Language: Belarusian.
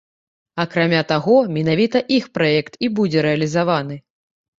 Акрамя таго, менавіта іх праект і будзе рэалізаваны.